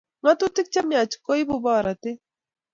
Ngatutik chemiach koibu borotet